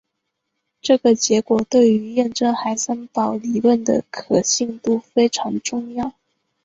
这个结果对于验证海森堡理论的可信度非常重要。